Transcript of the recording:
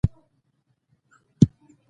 د ورځني چارو لپاره یادښتونه جوړول هېره کمه وي.